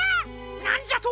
なんじゃと！